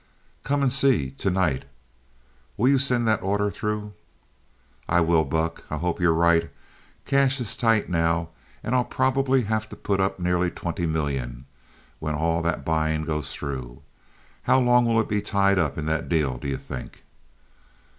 "Come and see tonight. Will you send that order through?" "I will, Buck. I hope you're right. Cash is tight now, and I'll probably have to put up nearer twenty million, when all that buying goes through. How long will it be tied up in that deal, do you think?"